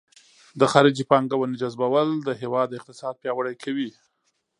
د خارجي پانګونې جذبول د هیواد اقتصاد پیاوړی کوي.